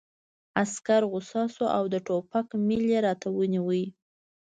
عسکر غوسه شو او د ټوپک میل یې راته ونیو